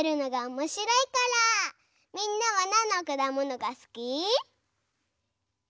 みんなはなんのくだものがすき？